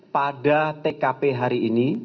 pada tkp hari ini